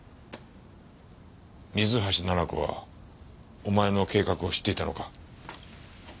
水橋奈々子はお前の計画を知っていたのか？